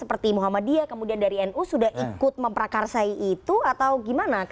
seperti muhammadiyah kemudian dari nu sudah ikut memprakarsai itu atau gimana